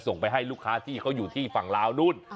ส่งไปให้ลูกค้าที่เขาอยู่ที่ฝั่งลาวนู่น